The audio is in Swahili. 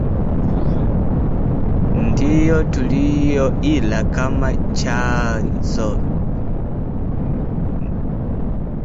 Ndiyo tuliyoila Kama chajio